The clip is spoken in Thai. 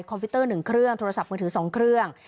พิวเตอร์๑เครื่องโทรศัพท์มือถือ๒เครื่อง